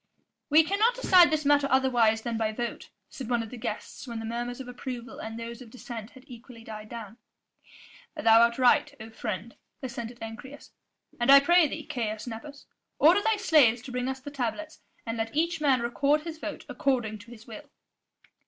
"We cannot decide this matter otherwise than by vote," said one of the guests when the murmurs of approval and those of dissent had equally died down. "Thou art right, O friend," assented Ancyrus, "and I pray thee, Caius Nepos, order thy slaves to bring us the tablets, and let each man record his vote according to his will."